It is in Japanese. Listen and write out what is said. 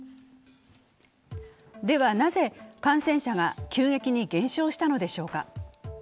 ではなぜ感染者が急激に減少したのでしょうか？